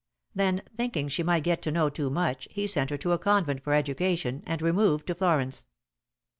Then thinking she might get to know too much, he sent her to a convent for education and removed to Florence.